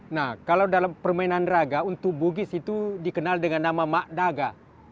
nah kalau dalam permainan raga untuk bugis itu dikenal dengan nama makdaga